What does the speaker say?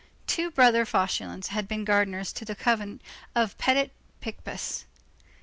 Two brothers Fauchelevent had been gardeners to the convent of the Petit Picpus.